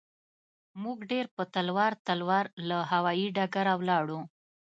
موږ ډېر په تلوار تلوار تر هوايي ډګره ولاړو.